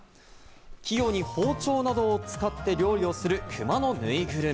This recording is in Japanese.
器用に包丁などを使って料理をする、くまのぬいぐるみ。